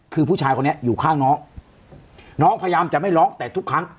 คือผู้ชายคนนี้อยู่ข้างน้องน้องพยายามจะไม่ร้องแต่ทุกครั้ง